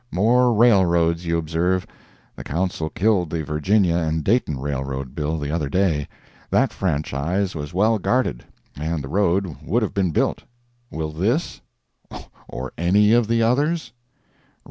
[More railroads, you observe. The Council killed the Virginia and Dayton Railroad bill the other day. That franchise was well guarded, and the road would have been built. Will this, or any of the others?